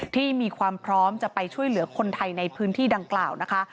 ที่มีความพร้อมจะไปช่วยเหลือคนไทยในพื้นที่ดังกล่าวนะคะ